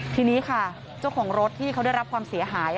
ทีนี้ค่ะเจ้าของรถที่เขาได้รับความเสียหาย